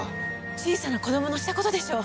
小さな子供のした事でしょう。